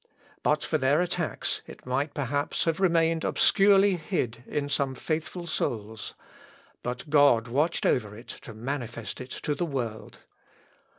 But for their attacks it might, perhaps, have remained obscurely hid in some faithful souls. But God watched over it to manifest it to the world.